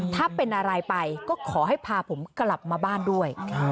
ถ้าเป็นอะไรไปก็ขอให้พาผมกลับมาบ้านด้วย